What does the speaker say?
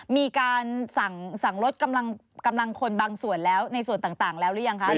มีการสั่งลดกำลังคนบางส่วนแล้วในส่วนต่างแล้วหรือยังคะ